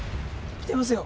きてますよ。